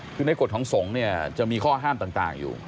คือในกฎของสงฆ์เนี่ยจะมีข้อห้ามต่างอยู่